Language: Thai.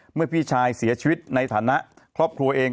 พี่ชายเสียชีวิตในฐานะครอบครัวเอง